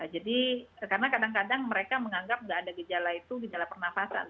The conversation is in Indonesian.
jadi karena kadang kadang mereka menganggap tidak ada gejala itu gejala pernafasan